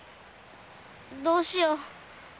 どうしよう？